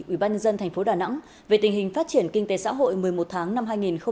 ủy ban dân thành phố đà nẵng về tình hình phát triển kinh tế xã hội một mươi một tháng năm hai nghìn hai mươi ba